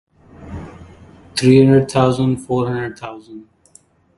Three hundred thousand, four hundred thousand!